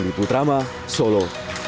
menurut drama solo